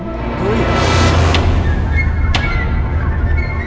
เฮ้ย